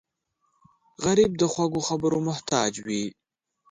غریب د خوږو خبرو محتاج وي